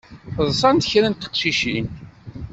Ḍsant kra n teqcicin.